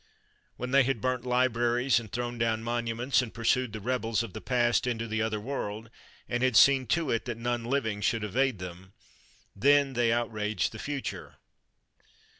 When they had burnt libraries and thrown down monuments and pursued the rebels of the past into the other world, and had seen to it that none living should evade them, then they outraged the future.